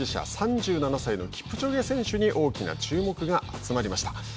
３７歳のキプチョゲ選手に大きな注目が集まりました。